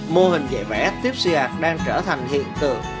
mô hình dạy vẽ tipsy art đang trở thành hiện tượng